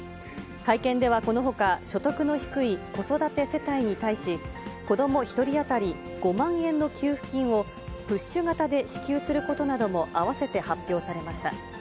会見ではこのほか、所得の低い子育て世帯に対し、子ども１人当たり５万円の給付金を、プッシュ型で支給することなども併せて発表されました。